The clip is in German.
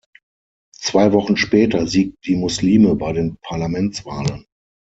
Zwei Wochen später siegten die Muslime bei den Parlamentswahlen.